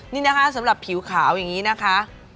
นี่นะคะสำหรับผิวขาวอย่างนี้นะคะ